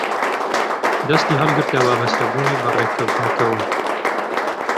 دەستی هەڵگرت لە وابەستەبوونی بە ڕێککەوتنەکەوە